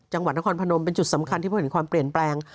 จังหวัดนครพนมเป็นจุดสำคัญที่พูดถึงความเปลี่ยนแปลง